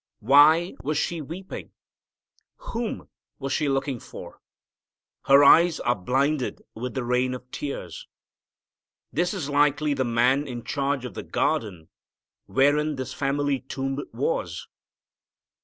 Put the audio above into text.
Why was she weeping? Whom was she looking for? Her eyes are blinded with the rain of tears. This is likely the man in charge of the garden wherein this family tomb was.